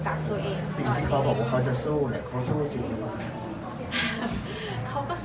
อันนี้ก็คือเราไม่ได้เข้าไปยูมว่าเข้ากลับไปใช้ชีวิตกับเขา